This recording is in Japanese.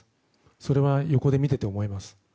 それは、横で見ていて思います。